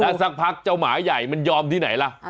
สักพักเจ้าหมาใหญ่มันยอมที่ไหนล่ะ